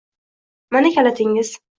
Mana kalitingiz.